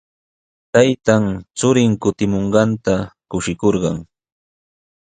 Taytan churin kutimunqanta kushikurqan.